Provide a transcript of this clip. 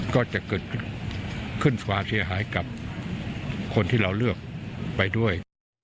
ก็จะเกิดขึ้นความเสียหายกับคนที่เราเลือกไปด้วย